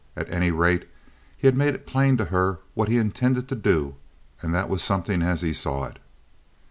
At any rate he had made it plain to her what he intended to do and that was something as he saw it.